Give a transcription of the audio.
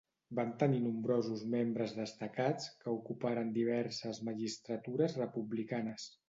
Van tenir nombrosos membres destacats que ocuparen diverses magistratures republicanes.